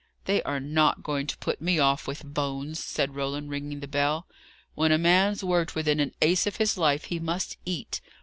"They are not going to put me off with bones," said Roland, ringing the bell. "When a man's worked within an ace of his life, he must eat.